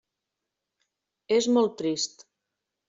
És molt trist.